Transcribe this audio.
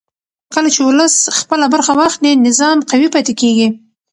کله چې ولس خپله برخه واخلي نظام قوي پاتې کېږي